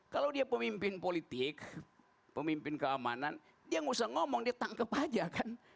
kalau dia pemimpin politik pemimpin keamanan dia nggak usah ngomong dia tangkep aja kan